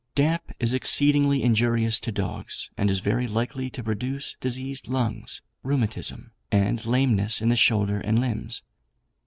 Damp is exceedingly injurious to dogs, and is very likely to produce diseased lungs, rheumatism, and lameness in the shoulder and limbs.